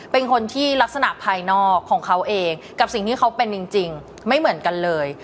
เป็นคนที่ลักษณะภายนอกของเขาเองกับสิ่งที่เขาเป็นจริงไม่เหมือนกันเลย